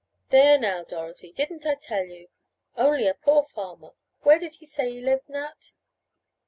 "There, now, Dorothy. Didn't I tell you. Only a poor farmer. Where did he say he lived, Nat?"